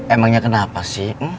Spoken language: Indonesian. emangnya kenapa sih